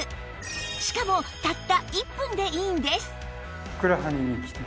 しかもたった１分でいいんです